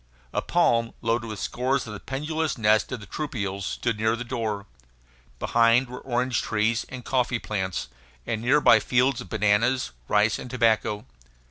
A palm, loaded with scores of the pendulous nests of the troupials, stood near the door. Behind were orange trees and coffee plants, and near by fields of bananas, rice, and tobacco.